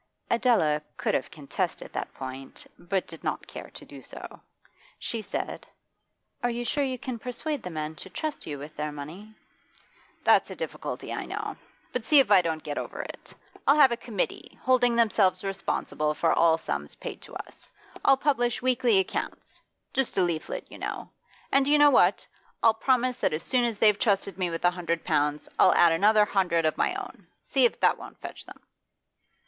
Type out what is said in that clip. Adela could have contested that point, but did not care to do so. She said: 'Are you sure you can persuade the men to trust you with their money?' 'That's the difficulty, I know; but see if I don't get over it. I'll have a committee, holding themselves responsible for all sums paid to us. I'll publish weekly accounts just a leaflet, you know. And do you know what? I'll promise that as soon as they've trusted me with a hundred pounds, I'll add another hundred of my own. See if that won't fetch them!